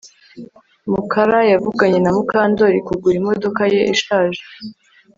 Mukara yavuganye na Mukandoli kugura imodoka ye ishaje